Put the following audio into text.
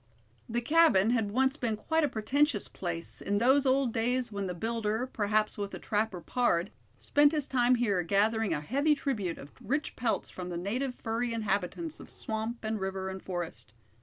The cabin had once been quite a pretentious place, in those old days when the builder, perhaps with a trapper pard, spent his time here gathering a heavy tribute of rich pelts from the native furry inhabitants of swamp and river and forest.